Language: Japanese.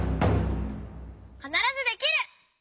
「かならずできる！」。